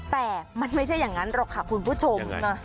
แต่มันไม่ใช่อย่างนั้นหรอกค่ะคุณผู้ชม